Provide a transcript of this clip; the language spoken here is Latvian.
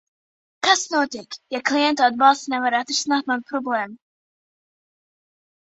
Kas notiek, ja klientu atbalsts nevar atrisināt manu problēmu?